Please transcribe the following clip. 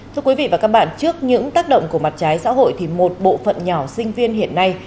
thưa quý vị và các bạn trước những tác động của mặt trái xã hội thì một bộ phận nhỏ sinh viên hiện nay